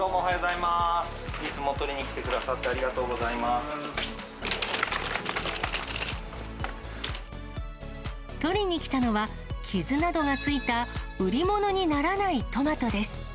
いつも取りに来てくださって取りに来たのは、傷などがついた売り物にならないトマトです。